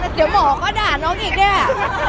เดี๋ยวหมอก็ด่าน้องอีกเนี่ย